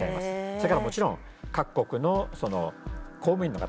それからもちろん各国のその公務員の方